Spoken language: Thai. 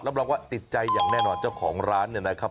รองว่าติดใจอย่างแน่นอนเจ้าของร้านเนี่ยนะครับ